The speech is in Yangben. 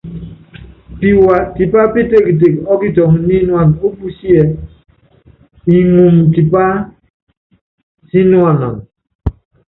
Piwa tipá pítektek ɔ́kitɔŋɔ nyínuána opusíe iŋumu tipa sínuana.